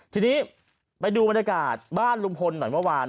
ทีนี้ไปดูบรรยากาศบ้านลุงพลหน่อยเมื่อวาน